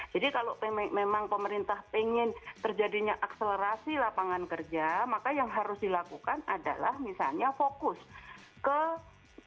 jadi kalau memang pemerintah ingin terjadinya akselerasi lapangan kerja maka yang harus dilakukan adalah misalnya fokus ke memberikan insentif ke industri industri padat karya